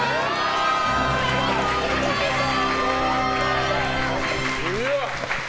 おめでとうございます！